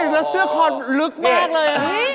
แล้วเสื้อคอลึกมากเลย